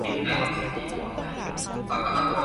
鴨脷洲深灣軒附近有無巴士站？